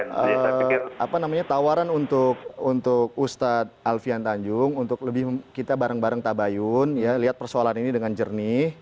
jadi apa namanya tawaran untuk ustadz alfian tanjung untuk lebih kita bareng bareng tabayun ya lihat persoalan ini dengan jernih